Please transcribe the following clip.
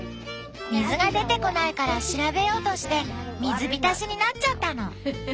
水が出てこないから調べようとして水浸しになっちゃったの。